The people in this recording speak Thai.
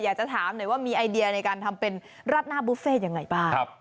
อยากจะถามหน่อยว่ามีไอเดียในการทำเป็นราดหน้าบุฟเฟ่ยังไงบ้าง